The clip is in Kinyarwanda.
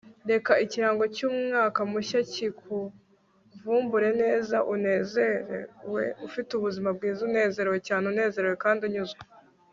reka ikirango cy'umwaka mushya kikuvumbure neza, unezerewe, ufite ubuzima bwiza, unezerewe cyane, unezerewe kandi unyuzwe